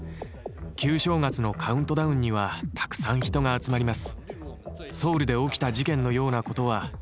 旧正月のカウントダウンにはたくさん人が集まります。